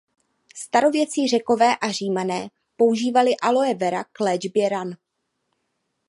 Starověcí Řekové a Římané používali Aloe vera k léčbě ran.